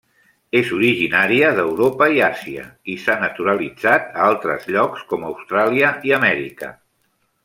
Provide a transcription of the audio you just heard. És originària d'Europa i Àsia i s'ha naturalitzat a altres llocs com Austràlia i Amèrica.